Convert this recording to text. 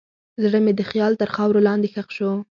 زړه مې د خیال تر خاورو لاندې ښخ شو.